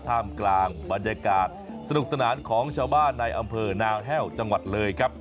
ท่ามกลางบรรยากาศสนุกสนานของชาวบ้านในอำเภอนางแห้วจังหวัดเลยครับ